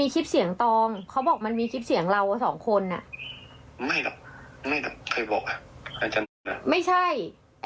คลิปเสียงอ่ะคลิปเสียงอ่ะแบบที่เราคุยกันอ่ะ